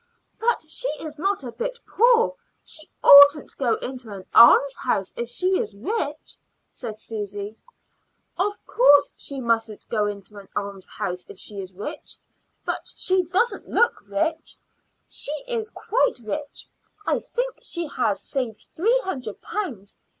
"But she is not a bit poor. She oughtn't to go into an almshouse if she is rich," said Susy. "Of course she mustn't go into an almshouse if she is rich; but she doesn't look rich." "She is quite rich. I think she has saved three hundred pounds.